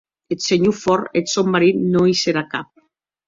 Eth senhor Ford, eth sòn marit, non i serà cap.